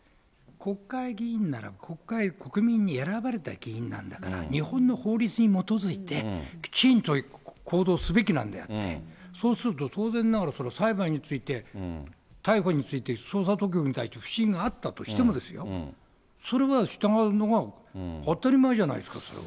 国会議員なら国会、国民に選ばれた議員なんだから、日本の法律に基づいて、きちんと行動すべきなんであって、そうすると、当然ながら、それは裁判について、逮捕について捜査当局に対して不審があったとしてもですよ、それは従うのが当たり前じゃないですか、それは。